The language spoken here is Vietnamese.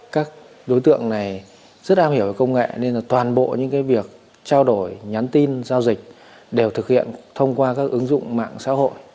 các đối tượng này rất am hiểu công nghệ nên toàn bộ những việc trao đổi nhắn tin giao dịch đều thực hiện thông qua các ứng dụng mạng xã hội